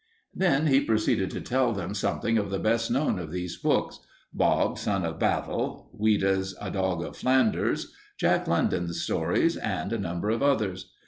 Then he proceeded to tell them something of the best known of these books "Bob, Son of Battle," Ouida's "A Dog of Flanders," Jack London's stories, and a number of others.